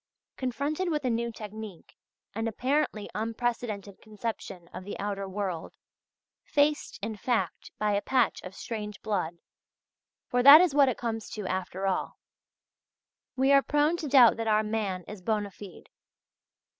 Confronted with a new technique and an apparently unprecedented conception of the outer world faced, in fact, by a patch of strange blood; for that is what it comes to after all we are prone to doubt that our man is bonâ fide.